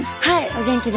お元気で。